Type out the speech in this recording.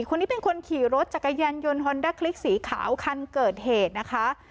คนนี้เป็นคนขี่รถจักรยานยนต์ฮอนด้าคลิกสีขาวคันเกิดเหตุนะคะ